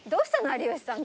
有吉さん